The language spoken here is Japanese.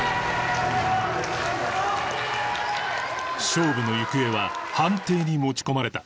勝負の行方は判定に持ち込まれた